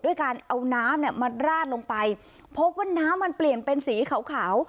ด้วยการเอาน้ำมาร่าดลงไปพบว่าน้ำมันเปลี่ยนเป็นสีขาว